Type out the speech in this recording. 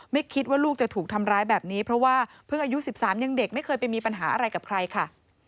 ไม่คิดว่าลูกจะถูกทำร้ายแบบนี้เพราะว่าเพิ่งอายุ๑๓ยังเด็กไม่เคยไปมีปัญหาอะไรกับใครค่ะ